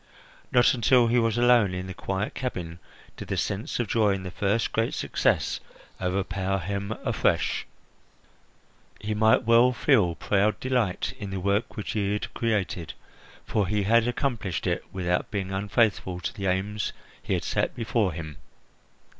Not until he was alone in the quiet cabin did the sense of joy in his first great success overpower him afresh. He might well feel proud delight in the work which he had created, for he had accomplished it without being unfaithful to the aims he had set before him.